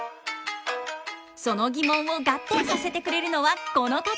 その疑問を合点させてくれるのはこの方！